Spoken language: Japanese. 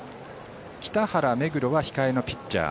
北原、目黒は控えのピッチャー。